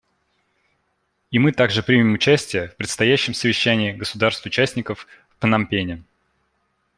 И мы также примем участие в предстоящем совещании государств-участников в Пномпене.